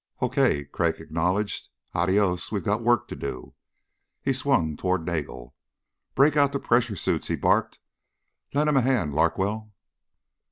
"Okay," Crag acknowledged. "Adios, we've got work to do." He swung toward Nagel. "Break out the pressure suits," he barked. "Lend him a hand, Larkwell."